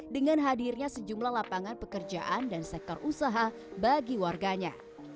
dengan hadirnya sejumlah lapangan pekerjaan dan sektor usaha bagi warganya